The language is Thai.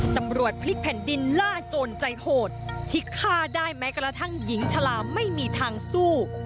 ตำรวจพลิกแผ่นดินล่าโจรใจโหดที่ฆ่าได้แม้กระทั่งหญิงฉลามไม่มีทางสู้